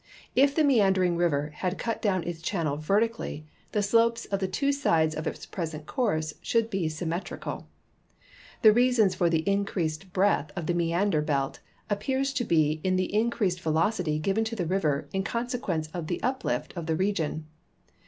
If the meandering river had cut down its channel vertically the slopes on the two sides of its present course should be symmetrical.* The reason for the in creased breadth of the meander belt appears to be in the increased velocity given to the river in consequence of the uplift of the region.